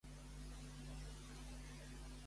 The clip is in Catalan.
Forma part de la selecció espanyola?